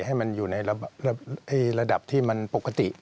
ให้มันอยู่ในระดับที่มันปกติ